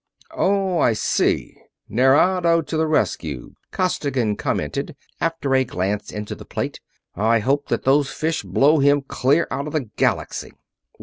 "Oh, I see Nerado to the rescue," Costigan commented, after a glance into the plate. "I hope that those fish blow him clear out of the Galaxy!"